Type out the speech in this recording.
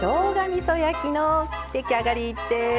みそ焼きの出来上がりです。